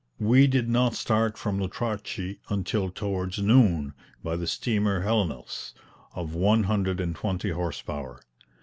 We did not start from Lutrachi until towards noon, by the steamer Hellenos, of one hundred and twenty horse power.